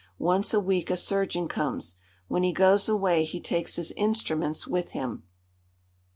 Once a week a surgeon comes. When he goes away he takes his instruments with him.